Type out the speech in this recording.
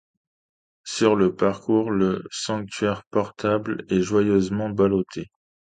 Sur le parcours le sanctuaire portable est joyeusement balloté.